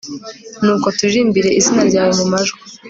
nuko turirimbire izina ryawe mu majwi